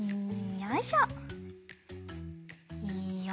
よいしょ。